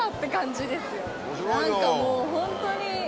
何かもうホントに。